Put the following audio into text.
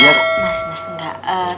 engga mas engga